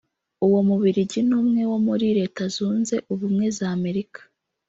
uwo mu Bubiligi n’umwe wo muri Leta Zunze Ubumwe z’Amerika